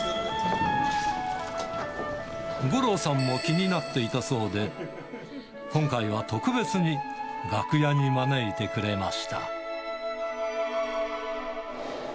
五郎さんも気になっていたそうで、今回は特別に楽屋に招いてくれました。